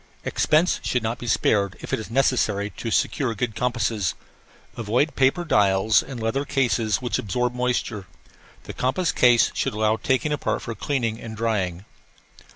Expense should not be spared if it is necessary to secure good compasses. Avoid paper dials and leather cases which absorb moisture. The compass case should allow taking apart for cleaning and drying.